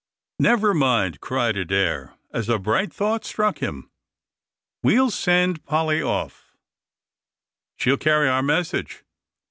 "Never mind," cried Adair, as a bright thought struck him; "we'll send Polly off; she'll carry our message."